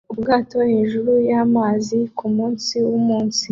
ubwato hejuru y'amazi kumunsi wumunsi